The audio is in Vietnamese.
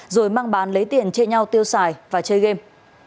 rồi mang bán lấy tiền chia nhau tiêu xài và chơi game